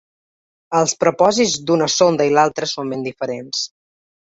Els propòsits d’una sonda i l’altra són ben diferents.